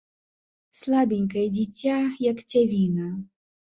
Слабенькае дзіця, як цявіна.